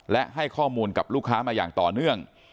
และให้ข้อมูลกับลูกค้ามาอย่างต่อเนื่อง